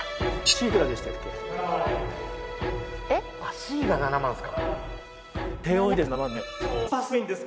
Ｃが７万ですか。